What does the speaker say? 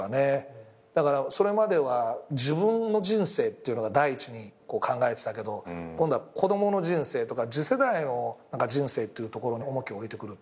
だからそれまでは自分の人生っていうのが第一に考えてたけど今度は子供の人生とか次世代の人生っていうところに重きを置いてくるっていうか。